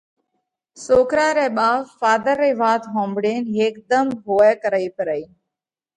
سوڪرا رئہ ٻاپ ڦازر رئِي وات ۿومۯينَ هيڪڌم هووَئہ ڪرئِي پرئِي